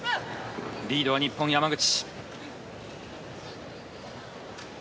リードは日本、山口。